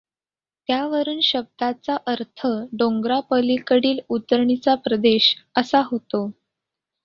त्यावरून शब्दाचा अर्थ डोंगरापलीकडील उतरणीचा प्रदेश असा होतो.